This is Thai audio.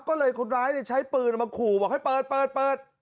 ก็เลยคนร้ายเนี่ยใช้ปืนเอามาขู่บอกให้เปิดเปิดเปิด